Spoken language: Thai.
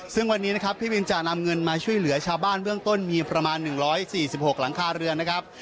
ซึ่งวันนี้นะครับพี่บินจะนำเงินมาช่วยเหลือชาวบ้านเบื้องต้นมีประมาณ๑๔๖หลังคาเรือนนะครับ